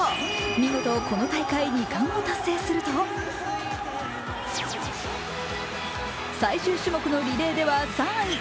見事この大会２冠を達成すると最終種目のリレーでは３位。